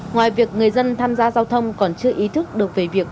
ngoài việc người dân tham gia giao thông còn chưa ý thức được về việc